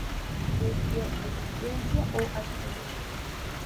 Desvío: Resistencia o Acción.